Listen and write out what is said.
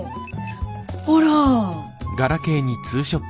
ほら。